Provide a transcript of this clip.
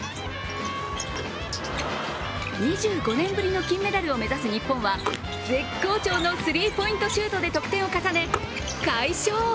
２５年ぶりの金メダルを目指す日本は絶好調のスリーポイントシュートで得点を重ね、快勝。